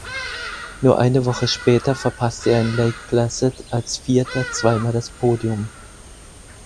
Nur eine Woche später verpasste er in Lake Placid als Vierter zweimal das Podium.